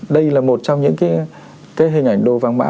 đây là một trong những cái hình ảnh đồ văn mã